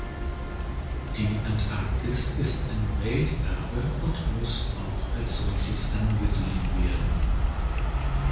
Die Antarktis ist ein Welterbe und muss auch als solches angesehen werden.